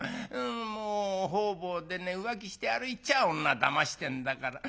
もう方々でね浮気して歩いちゃ女だましてんだから。